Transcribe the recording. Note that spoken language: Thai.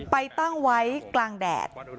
ไปตั้งไว้กลางแดด